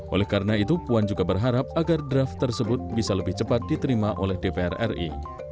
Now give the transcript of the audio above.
oleh karena itu puan juga berharap agar draft tersebut bisa lebih cepat diterima oleh dpr ri